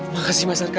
makasih mas arka